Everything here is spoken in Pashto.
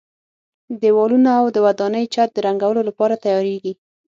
دېوالونه او د ودانۍ چت د رنګولو لپاره تیاریږي.